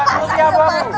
buat putri abu abu